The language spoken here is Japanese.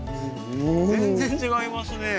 全然違いますね。